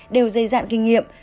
đều dây dạng kinh nghiệm